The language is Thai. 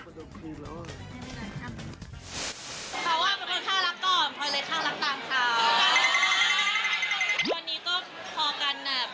เพราะว่าเป็นคนค่ารักก่อนพอเลยค่ารักต่างข่าว